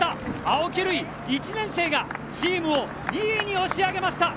青木瑠郁、１年生がチームを２位に押し上げました。